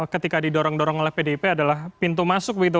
ketika didorong dorong oleh pdip adalah pintu masuk begitu